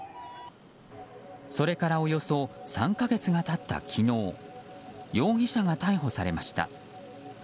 それからおよそ３か月が経った昨日容疑者が逮捕されました。